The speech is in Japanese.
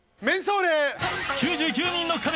「９９人の壁」。